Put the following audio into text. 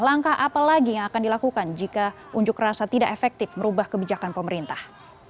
langkah apa lagi yang akan dilakukan jika unjuk rasa tidak efektif merubah kebijakan pemerintah